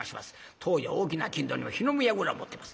当時は大きな商人にも火の見櫓を持ってます。